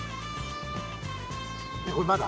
これまだ？